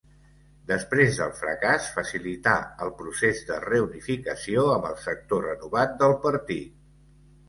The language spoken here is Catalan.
Després del fracàs, facilità el procés de reunificació amb el sector renovat del partit.